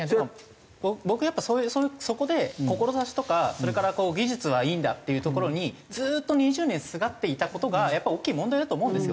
僕やっぱそういうそこで志とかそれから技術はいいんだっていうところにずっと２０年すがっていた事が大きい問題だと思うんですよ。